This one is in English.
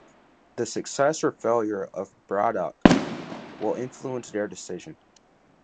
The success or failure of Braddock will influence their decisions.